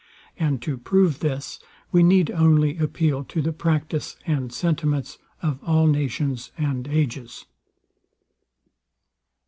And to prove this we need only appeal to the practice and sentiments of all nations and ages.